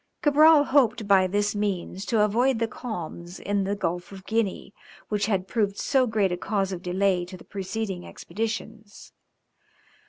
Cabral hoped by this means to avoid the calms in the Gulf of Guinea, which had proved so great a cause of delay to the preceding expeditions.